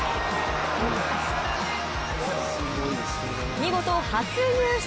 見事、初優勝。